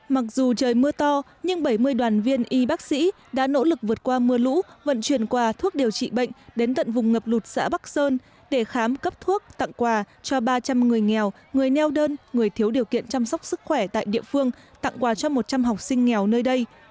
mặc dù trời mưa to nhưng bảy mươi đoàn viên y bác sĩ đã nỗ lực vượt qua mưa lũ vận chuyển quà thuốc điều trị bệnh đến tận vùng ngập lụt xã bắc sơn để khám cấp thuốc tặng quà cho ba trăm linh người nghèo người neo đơn người thiếu điều kiện chăm sóc sức khỏe tại địa phương tặng quà cho một trăm linh học sinh nghèo nơi đây